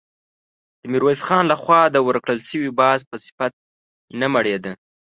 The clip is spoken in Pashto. د ميرويس خان له خوا د ورکړل شوي باز په صفت نه مړېده.